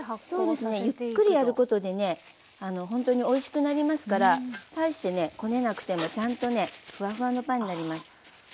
そうですねゆっくりやることでねほんとにおいしくなりますから大してねこねなくてもちゃんとねフワフワのパンになります。